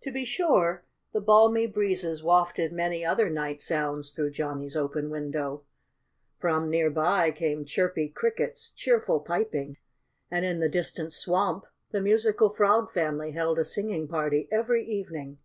To be sure, the balmy breezes wafted many other night sounds through Johnnie's open window. From near by came Chirpy Cricket's cheerful piping. And in the distant swamp the musical Frog family held a singing party every evening.